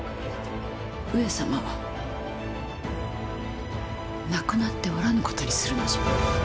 上様は亡くなっておらぬことにするのじゃ。